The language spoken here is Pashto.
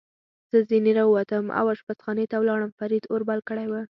زه ځنې را ووتم او اشپزخانې ته ولاړم، فرید اور بل کړی و.